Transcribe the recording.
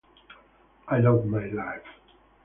I love my life!